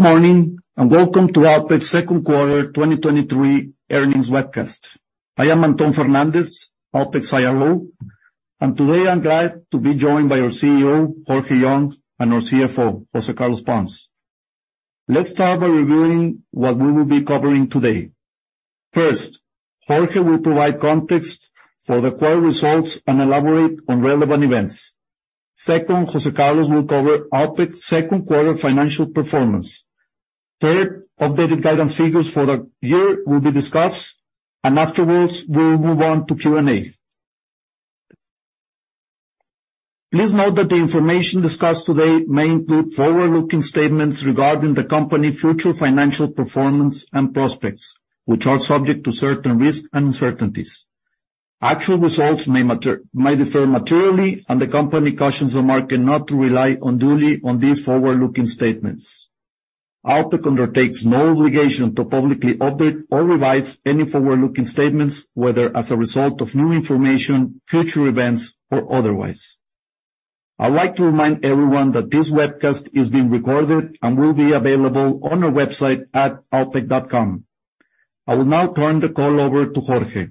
Good morning, and welcome to Alpek's second quarter 2023 earnings webcast. I am Anton Fernandez, Alpek's IRO, and today I'm glad to be joined by our CEO, Jorge Young, and our CFO, Jose Carlos Pons. Let's start by reviewing what we will be covering today. First, Jorge will provide context for the quarter results and elaborate on relevant events. Second, Jose Carlos will cover Alpek's second quarter financial performance. Third, updated guidance figures for the year will be discussed, and afterwards, we will move on to Q&A. Please note that the information discussed today may include forward-looking statements regarding the company's future financial performance and prospects, which are subject to certain risks and uncertainties. Actual results may differ materially, and the company cautions the market not to rely unduly on these forward-looking statements. Alpek undertakes no obligation to publicly update or revise any forward-looking statements, whether as a result of new information, future events, or otherwise. I'd like to remind everyone that this webcast is being recorded and will be available on our website at alpek.com. I will now turn the call over to Jorge.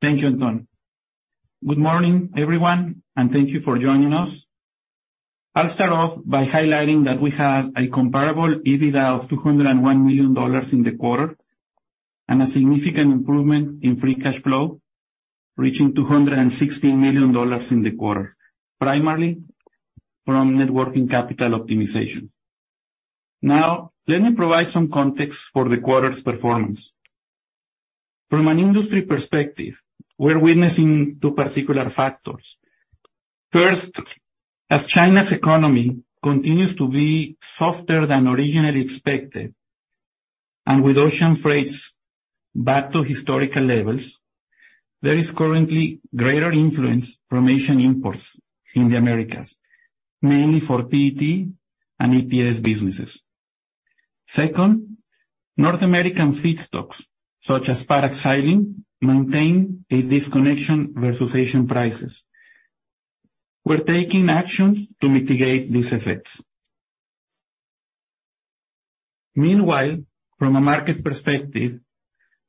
Thank you, Anton. Good morning, everyone, and thank you for joining us. I'll start off by highlighting that we have a comparable EBITDA of $201 million in the quarter and a significant improvement in free cash flow, reaching $216 million in the quarter, primarily from net working capital optimization. Let me provide some context for the quarter's performance. From an industry perspective, we're witnessing two particular factors. First, as China's economy continues to be softer than originally expected, and with ocean freights back to historical levels, there is currently greater influence from Asian imports in the Americas, mainly for PET and EPS businesses. Second, North American feedstocks, such as paraxylene, maintain a disconnection versus Asian prices. We're taking actions to mitigate these effects. Meanwhile, from a market perspective,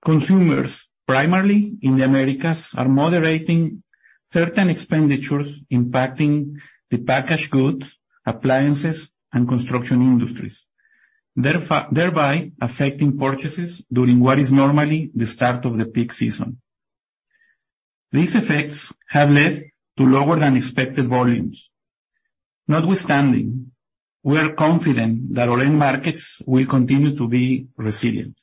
consumers, primarily in the Americas, are moderating certain expenditures impacting the packaged goods, appliances, and construction industries, thereby affecting purchases during what is normally the start of the peak season. These effects have led to lower than expected volumes. Notwithstanding, we are confident that our end markets will continue to be resilient.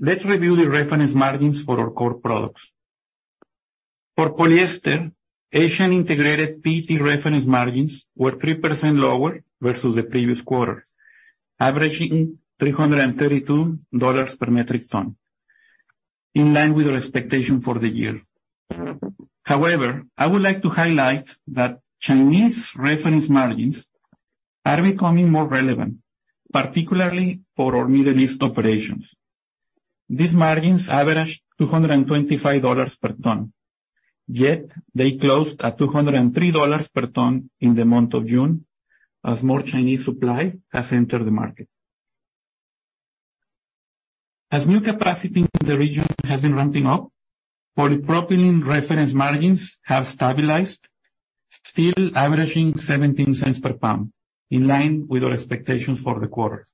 Let's review the reference margins for our core products. For polyester, Asian Integrated PET reference margins were 3% lower versus the previous quarter, averaging $332 per metric ton, in line with our expectation for the year. I would like to highlight that Chinese reference margins are becoming more relevant, particularly for our Middle East operations. These margins averaged $225 per ton, yet they closed at $203 per ton in the month of June as more Chinese supply has entered the market. As new capacity in the region has been ramping up, polypropylene reference margins have stabilized, still averaging $0.17 per pound, in line with our expectations for the quarter.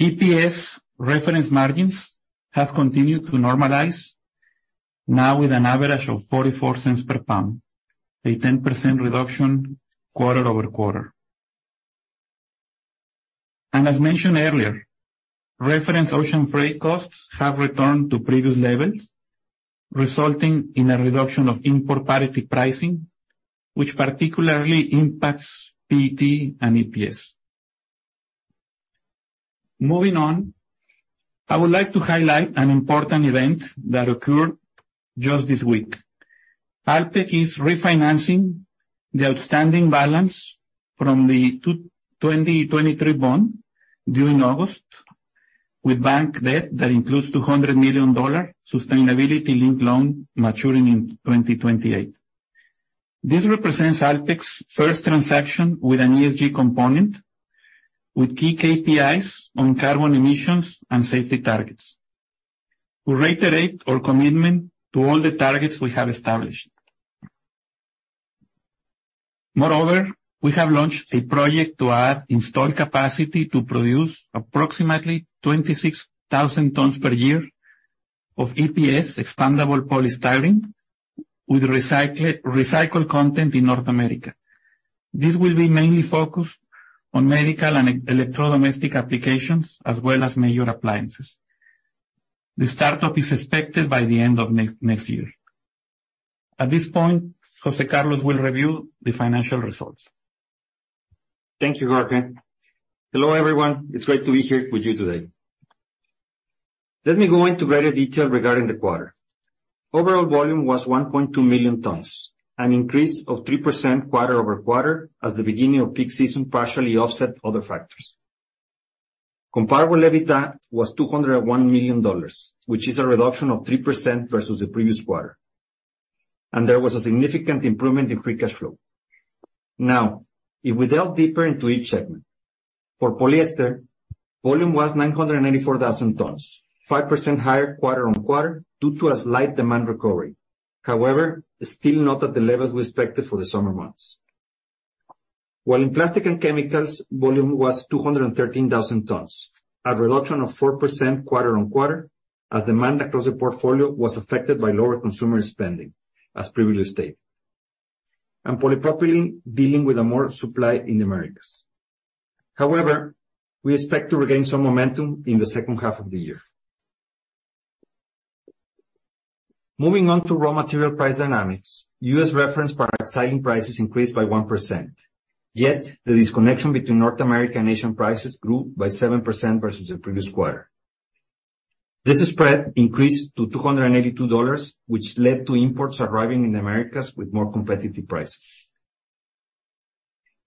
EPS reference margins have continued to normalize, now with an average of $0.44 per pound, a 10% reduction quarter-over-quarter. As mentioned earlier, reference ocean freight costs have returned to previous levels, resulting in a reduction of import parity pricing, which particularly impacts PET and EPS. Moving on, I would like to highlight an important event that occurred just this week. Alpek is refinancing the outstanding balance from the two... 2023 bond during August with bank debt that includes $200 million sustainability-linked loan maturing in 2028. This represents Alpek's first transaction with an ESG component, with key KPIs on carbon emissions and safety targets. We reiterate our commitment to all the targets we have established. We have launched a project to add installed capacity to produce approximately 26,000 tons per year of EPS, expandable polystyrene, with recycled content in North America. This will be mainly focused on medical and electro domestic applications, as well as major appliances. The startup is expected by the end of next year. At this point, Jose Carlos will review the financial results. Thank you, Jorge. Hello, everyone. It's great to be here with you today. Let me go into greater detail regarding the quarter. Overall volume was 1.2 million tons, an increase of 3% quarter-over-quarter, as the beginning of peak season partially offset other factors. Comparable EBITDA was $201 million, which is a reduction of 3% versus the previous quarter. There was a significant improvement in free cash flow. Now, if we delve deeper into each segment, for polyester, volume was 994,000 tons, 5% higher quarter-on-quarter due to a slight demand recovery. However, still not at the levels we expected for the summer months. While in Plastics & Chemicals, volume was 213,000 tons, a reduction of 4% quarter-on-quarter, as demand across the portfolio was affected by lower consumer spending, as previously stated, and polypropylene dealing with a more supply in the Americas. However, we expect to regain some momentum in the second half of the year. Moving on to raw material price dynamics, U.S. reference paraxylene prices increased by 1%, yet the disconnection between North American Asian prices grew by 7% versus the previous quarter. This spread increased to $282, which led to imports arriving in the Americas with more competitive prices.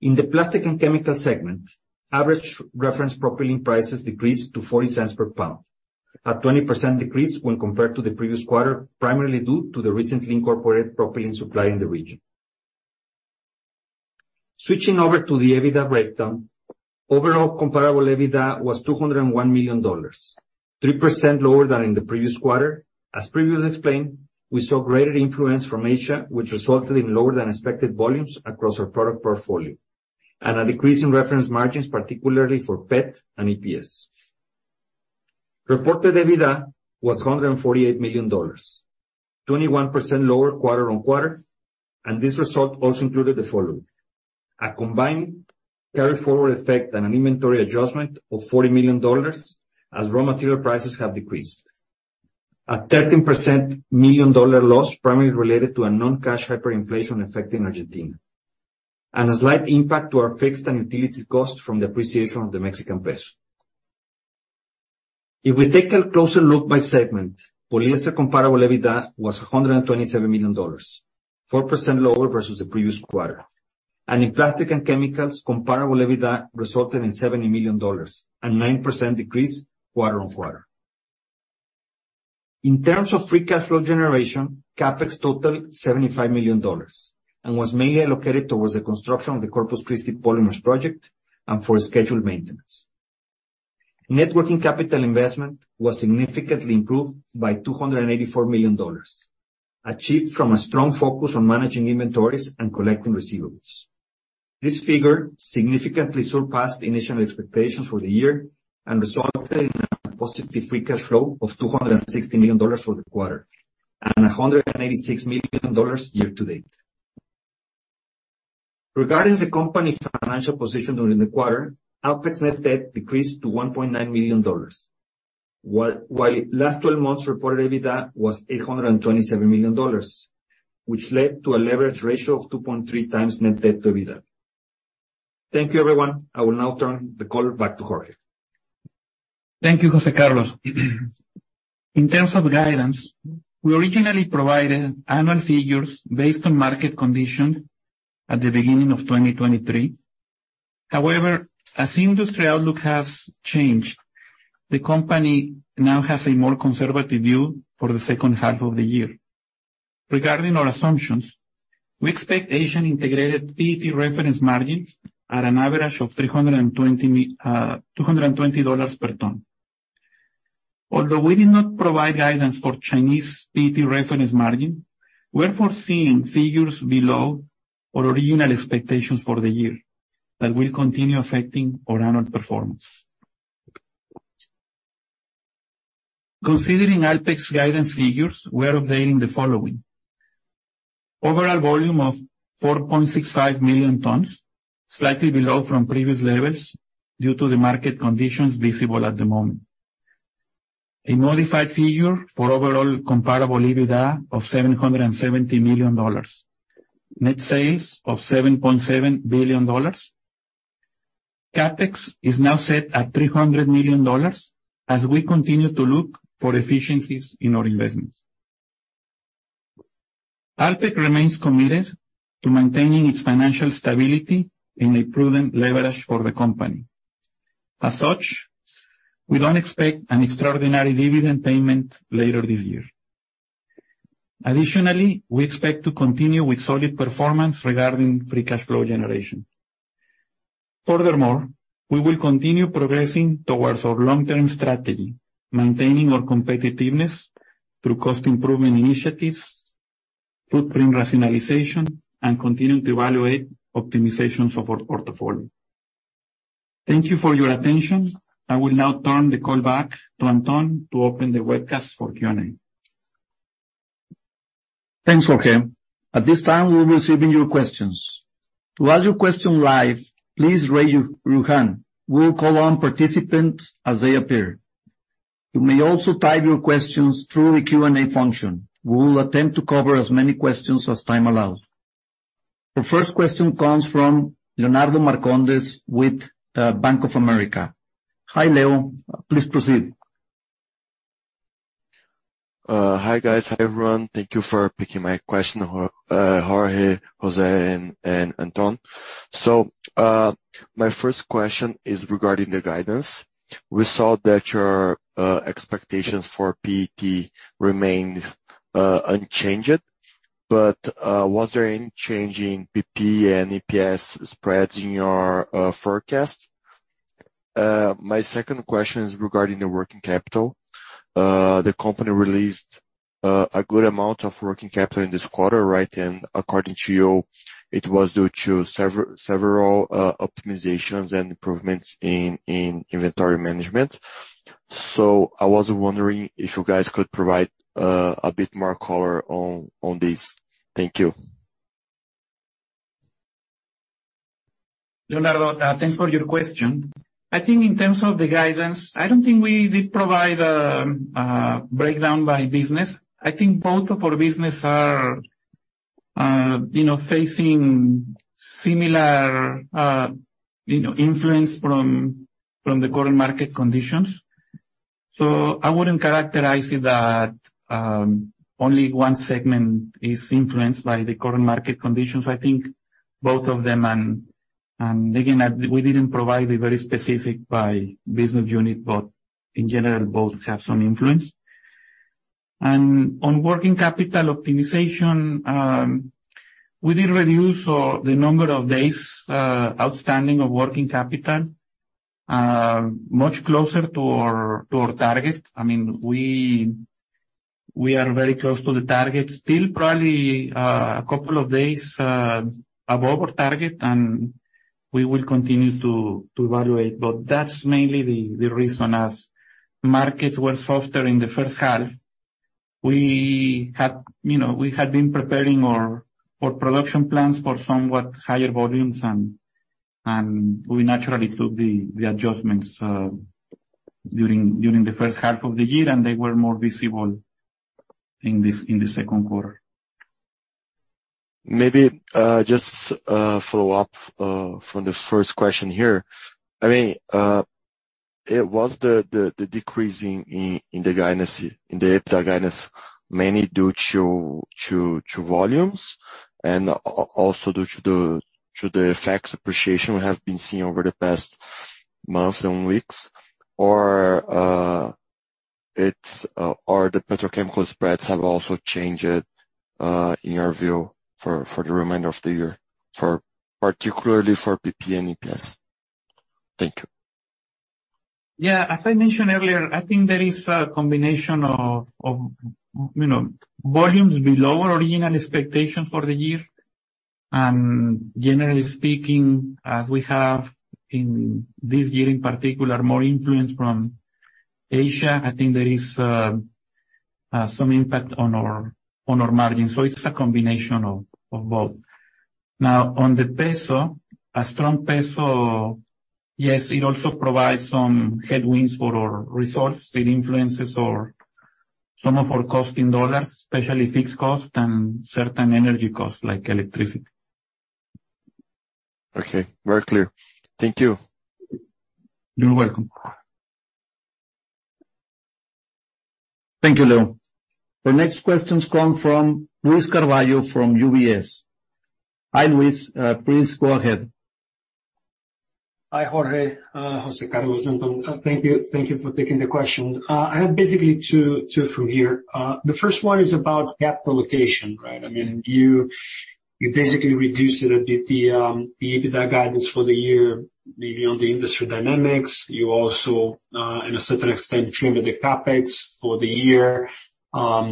In the Plastics & Chemicals segment, average reference propylene prices decreased to $0.40 per pound, a 20% decrease when compared to the previous quarter, primarily due to the recently incorporated propylene supply in the region. Switching over to the EBITDA breakdown, overall comparable EBITDA was $201 million, 3% lower than in the previous quarter. As previously explained, we saw greater influence from Asia, which resulted in lower than expected volumes across our product portfolio, and a decrease in reference margins, particularly for PET and EPS. Reported EBITDA was $148 million, 21% lower quarter-on-quarter. This result also included the following: A combined carry-forward effect and an inventory adjustment of $40 million, as raw material prices have decreased. A 13% million dollar loss, primarily related to a non-cash hyperinflation effect in Argentina. A slight impact to our fixed and utility costs from the appreciation of the Mexican peso. If we take a closer look by segment, polyester comparable EBITDA was $127 million, 4% lower versus the previous quarter. In Plastics & Chemicals, comparable EBITDA resulted in $70 million, a 9% decrease quarter-on-quarter. In terms of free cash flow generation, CapEx totaled $75 million and was mainly allocated towards the construction of the Corpus Christi Polymers project and for scheduled maintenance. Net working capital investment was significantly improved by $284 million, achieved from a strong focus on managing inventories and collecting receivables. This figure significantly surpassed the initial expectations for the year and resulted in a positive free cash flow of $260 million for the quarter and $186 million year-to-date. Regarding the company's financial position during the quarter, Alpek's net debt decreased to $1.9 million. Last twelve months reported EBITDA was $827 million, which led to a leverage ratio of 2.3 times Net Debt to EBITDA. Thank you, everyone. I will now turn the call back to Jorge. Thank you, Jose Carlos. In terms of guidance, we originally provided annual figures based on market conditions at the beginning of 2023. However, as the industry outlook has changed, the company now has a more conservative view for the second half of the year. Regarding our assumptions, we expect Asian Integrated PET reference margins at an average of $220 per ton. Although we did not provide guidance for Chinese PET reference margin, we're foreseeing figures below our original expectations for the year that will continue affecting our annual performance. Considering Alpek's guidance figures, we are revealing the following: Overall volume of 4.65 million tons, slightly below from previous levels due to the market conditions visible at the moment. A modified figure for overall comparable EBITDA of $770 million. Net sales of $7.7 billion. CapEx is now set at $300 million as we continue to look for efficiencies in our investments. Alpek remains committed to maintaining its financial stability in a prudent leverage for the company. We don't expect an extraordinary dividend payment later this year. We expect to continue with solid performance regarding free cash flow generation. We will continue progressing towards our long-term strategy, maintaining our competitiveness through cost improvement initiatives, footprint rationalization, and continuing to evaluate optimizations of our portfolio. Thank you for your attention. I will now turn the call back to Anton to open the webcast for Q&A. Thanks, Jorge. At this time, we're receiving your questions. To ask your question live, please raise your hand. We'll call on participants as they appear. You may also type your questions through the Q&A function. We will attempt to cover as many questions as time allows. The first question comes from Leonardo Marcondes with Bank of America. Hi, Leo, please proceed. Hi, guys. Hi, everyone. Thank you for picking my question, Hor, Jorge, Jose and Anton. My first question is regarding the guidance. We saw that your expectations for PET remained unchanged, was there any change in PP and EPS spreads in your forecast? My second question is regarding the net working capital. The company released a good amount of net working capital in this quarter, right? According to you, it was due to several optimizations and improvements in inventory management. I was wondering if you guys could provide a bit more color on this. Thank you. Leonardo, thanks for your question. I think in terms of the guidance, I don't think we did provide a breakdown by business. I think both of our business are, you know, facing similar, you know, influence from, from the current market conditions. I wouldn't characterize it that only one segment is influenced by the current market conditions. I think both of them. Again, we didn't provide a very specific by business unit, but in general, both have some influence. On working capital optimization, we did reduce the number of days outstanding of working capital much closer to our target. I mean, we are very close to the target. Still, probably, a couple of days above our target, and we will continue to evaluate. That's mainly the reason, as markets were softer in the first half, we had, you know, we had been preparing our production plans for somewhat higher volumes, and we naturally took the adjustments during the first half of the year, and they were more visible in the second quarter. Maybe, just follow up from the first question here. I mean, it was the decreasing in the guidance, in the EBITDA guidance, mainly due to volumes and also due to the effects appreciation we have been seeing over the past months and weeks, or, it's or the petrochemical spreads have also changed in your view, for the remainder of the year, for particularly for PP and EPS? Thank you. As I mentioned earlier, I think there is a combination of, you know, volumes below our original expectations for the year. Generally speaking, as we have in this year, in particular, more influence from Asia, I think there is some impact on our margins. It's a combination of both. On the peso, a strong peso, yes, it also provides some headwinds for our results. It influences our, some of our cost in dollars, especially fixed cost and certain energy costs, like electricity. Okay, very clear. Thank you. You're welcome. Thank you, Leo. The next question comes from Luiz Carvalho from UBS. Hi, Luiz, please go ahead. Hi, Jorge, Jose Carlos, and Anton. Thank you. Thank you for taking the question. I have basically two from here. The first one is about capital allocation, right? I mean, you basically reduced a bit the EBITDA guidance for the year, maybe on the industry dynamics. You also, in a certain extent, trimmed the CapEx for the year. I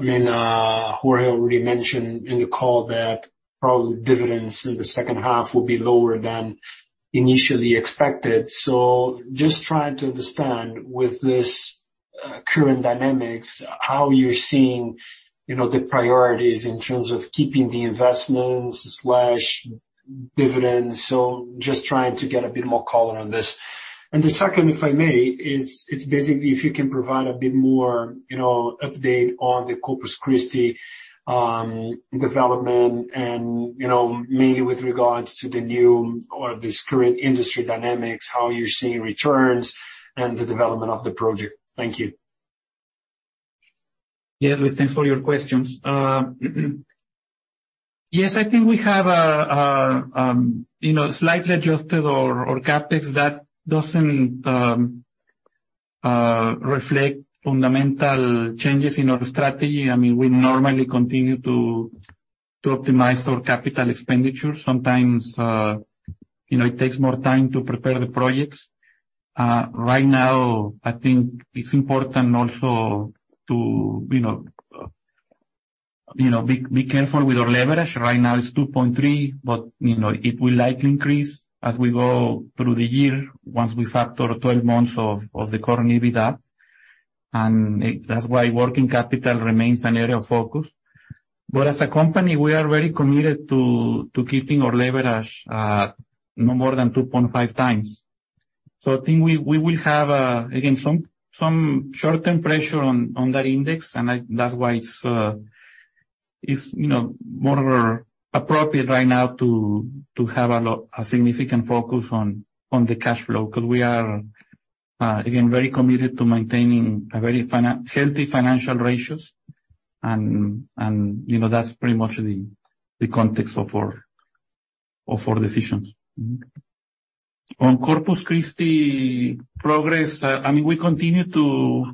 mean, Jorge already mentioned in the call that probably dividends in the second half will be lower than initially expected. Just trying to understand, with this current dynamics, how you're seeing, you know, the priorities in terms of keeping the investments slash dividends. Just trying to get a bit more color on this. The second, if I may, it's basically if you can provide a bit more, you know, update on the Corpus Christi development and, you know, mainly with regards to the new or this current industry dynamics, how you're seeing returns and the development of the project. Thank you. Yeah, Luiz, thanks for your questions. Yes, I think we have you know, slightly adjusted our CapEx. That doesn't reflect fundamental changes in our strategy. I mean, we normally continue to optimize our capital expenditures. Sometimes, you know, it takes more time to prepare the projects. Right now, I think it's important also to, you know, be careful with our leverage. Right now, it's 2.3, but, you know, it will likely increase as we go through the year, once we factor 12 months of the current EBITDA. That's why working capital remains an area of focus. As a company, we are very committed to keeping our leverage no more than 2.5 times. I think we will have, again, some short-term pressure on that index. That's why it's, you know, more appropriate right now to have a significant focus on the cash flow, because we are, again, very committed to maintaining a very healthy financial ratios. That's pretty much the context of our decisions. On Corpus Christi progress, I mean, we continue to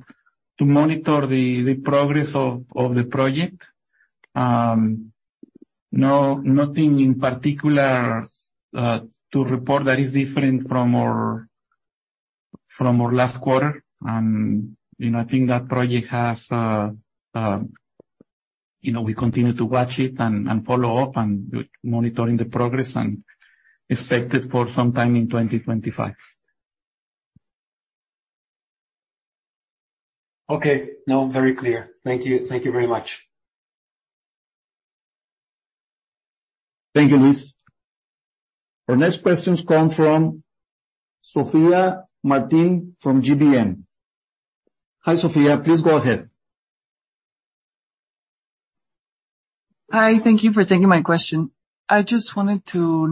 monitor the progress of the project. Nothing in particular to report that is different from our last quarter. You know, I think that project has. You know, we continue to watch it and follow up, and monitoring the progress and expect it for some time in 2025. Okay. No, very clear. Thank you. Thank you very much. Thank you, Luis. Our next questions come from Sophia Martin, from GBM. Hi, Sophia, please go ahead. Hi, thank you for taking my question. I just wanted to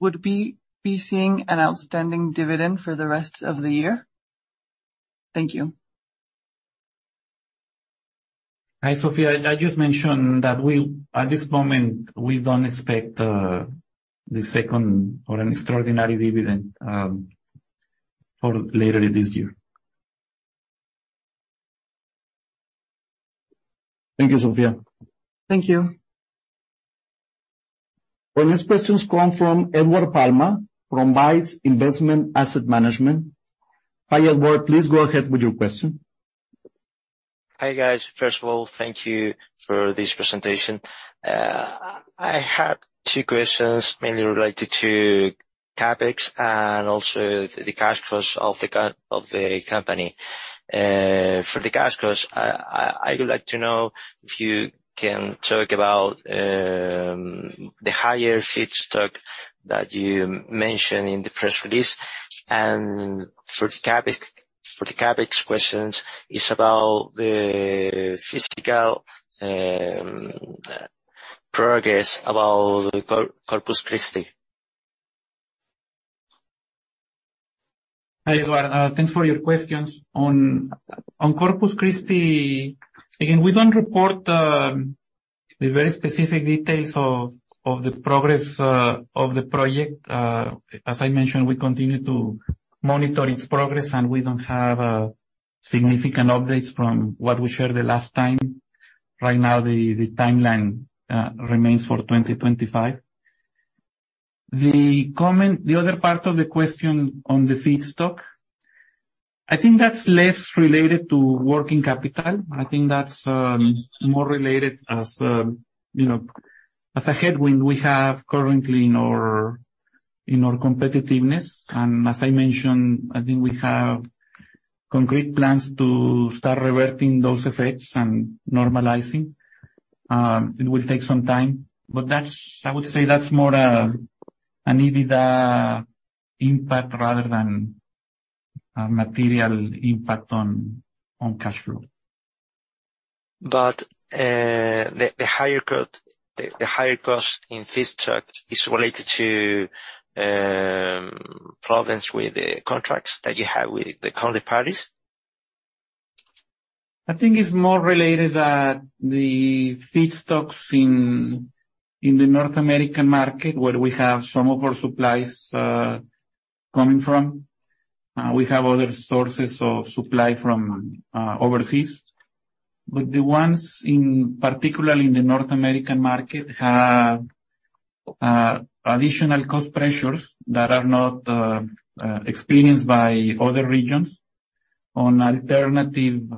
know, would we be seeing an outstanding dividend for the rest of the year? Thank you. Hi, Sophia. I just mentioned that At this moment, we don't expect the second or an extraordinary dividend for later this year. Thank you, Sophia. Thank you. Our next questions come from Edward Palma, from BICE Investment Asset Management. Hi, Edward, please go ahead with your question. Hi, guys. First of all, thank you for this presentation. I have two questions, mainly related to CapEx and also the cash flows of the company. For the cash flows, I would like to know if you can talk about the higher feedstock that you mentioned in the press release. For the CapEx questions, it's about the physical progress about Corpus Christi. Hi, Edward. Thanks for your questions. On Corpus Christi, again, we don't report the very specific details of the progress of the project. As I mentioned, we continue to monitor its progress, and we don't have significant updates from what we shared the last time. Right now, the timeline remains for 2025. The other part of the question on the feedstock, I think that's less related to working capital. I think that's more related as, you know, as a headwind we have currently in our competitiveness. As I mentioned, I think we have concrete plans to start reverting those effects and normalizing. It will take some time, but that's, I would say, that's more an EBITDA impact rather than a material impact on cash flow. The higher cost in feedstock is related to problems with the contracts that you have with the current parties? I think it's more related at the feedstocks in the North American market, where we have some of our supplies coming from. We have other sources of supply from overseas. The ones in, particularly in the North American market, have additional cost pressures that are not experienced by other regions on alternative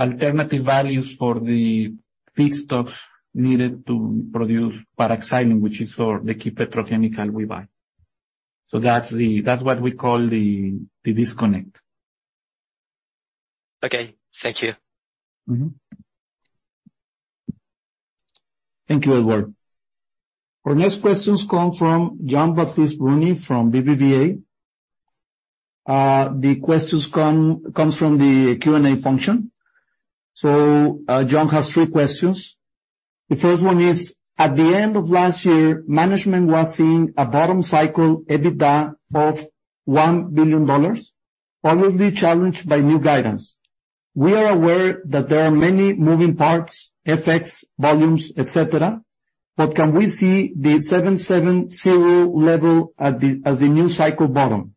alternative values for the feedstocks needed to produce paraxylene, which is for the key petrochemical we buy. That's what we call the disconnect. Okay. Thank you. Mm-hmm. Thank you, Edward. Our next questions come from Jean Baptiste Bruny from BBVA. The questions comes from the Q&A function. Jean has 3 questions. The first one is: At the end of last year, management was seeing a bottom cycle, EBITDA of $1 billion, probably challenged by new guidance. We are aware that there are many moving parts, effects, volumes, et cetera, but can we see the $770 level as the new cycle bottom?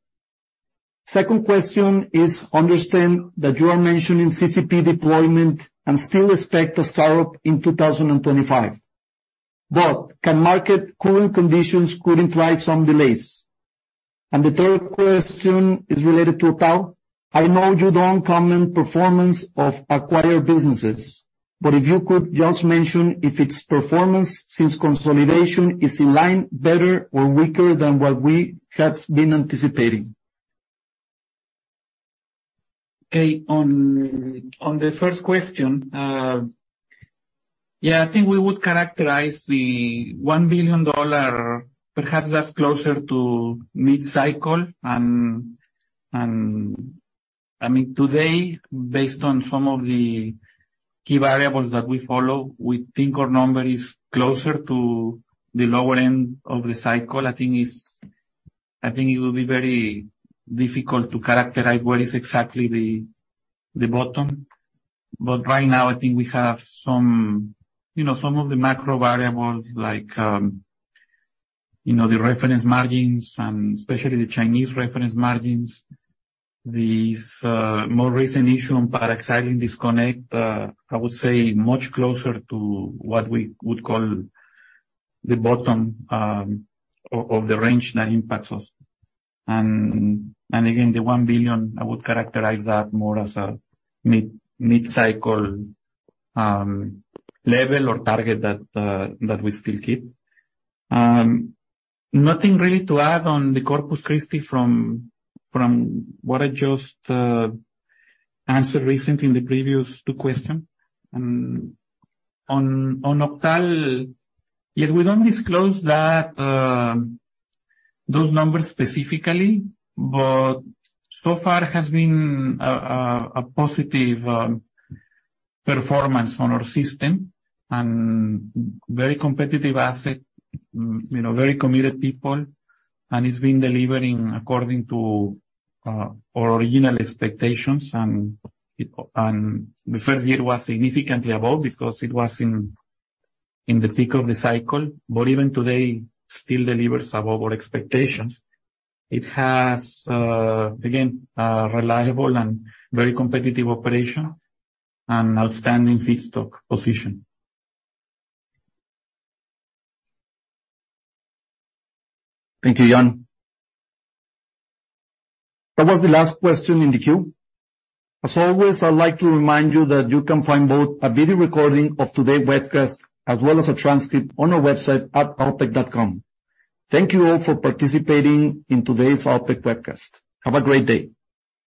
Second question is, understand that you are mentioning CCP deployment and still expect a startup in 2025, but can market cooling conditions could entice some delays? The third question is related to OCTAL. I know you don't comment performance of acquired businesses, but if you could just mention if its performance since consolidation is in line, better or weaker than what we have been anticipating. Okay. On the first question, yeah, I think we would characterize the $1 billion, perhaps that's closer to mid-cycle. I mean, today, based on some of the key variables that we follow, we think our number is closer to the lower end of the cycle. I think it will be very difficult to characterize what is exactly the bottom. Right now, I think we have some, you know, some of the macro variables, like, you know, the reference margins, and especially the Chinese reference margins. These more recent issue on paraxylene disconnect, I would say much closer to what we would call the bottom of the range that impacts us. Again, the $1 billion, I would characterize that more as a mid-cycle level or target that we still keep. Nothing really to add on the Corpus Christi from what I just answered recent in the previous two question. On OCTAL, yes, we don't disclose that those numbers specifically, but so far it has been a positive performance on our system and very competitive asset, you know, very committed people. It's been delivering according to our original expectations. The first year it was significantly above because it was in the peak of the cycle, even today, still delivers above our expectations. It has again, a reliable and very competitive operation and outstanding feedstock position. Thank you, Jean. That was the last question in the queue. As always, I'd like to remind you that you can find both a video recording of today's webcast as well as a transcript on our website at alpek.com. Thank you all for participating in today's Alpek webcast. Have a great day.